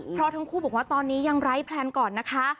เพราะทั้งคู่บอกว่าตอนนี้ยังไร้แพลนก่อนนะคะ